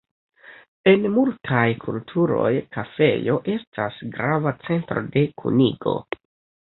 En multaj kulturoj kafejo estas grava centro de kunigo.